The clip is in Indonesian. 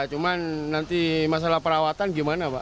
cuma nanti masalah perawatan gimana pak